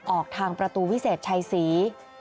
ออกทางประตูวิเศษชัยศรี